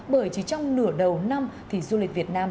bởi chỉ trong nửa đầu năm thì du lịch việt nam